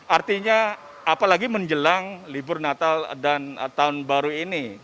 artinya apalagi menjelang libur natal dan tahun baru ini